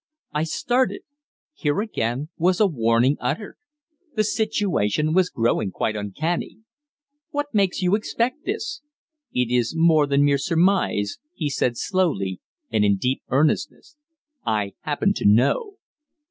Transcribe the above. I started. Here again was a warning uttered! The situation was growing quite uncanny. "What makes you expect this?" "It is more than mere surmise," he said slowly and in deep earnestness. "I happen to know."